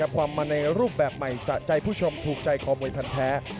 ความมาในรูปแบบใหม่สะใจผู้ชมถูกใจคอมวยพันธ์แท้